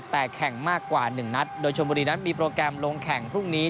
แต่แข่งมากกว่า๑นัดโดยชมบุรีนั้นมีโปรแกรมลงแข่งพรุ่งนี้